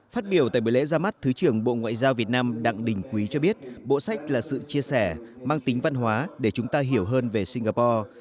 phát biểu tại bữa lễ ra mắt thứ trưởng bộ ngoại giao việt nam đặng đình quý cho biết bộ sách là sự chia sẻ mang tính văn hóa để chúng ta hiểu hơn về singapore